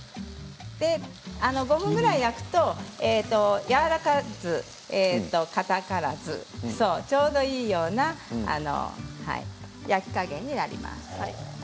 ５分ぐらい焼くとやわらかからず、かたからずちょうどいいような焼き加減になります。